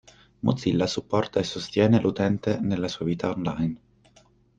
Mozilla supporta e sostiene l'utente nella sua vita online.